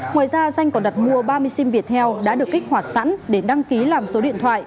ngoài ra danh còn đặt mua ba mươi sim việt theo đã được kích hoạt sẵn để đăng ký làm số điện thoại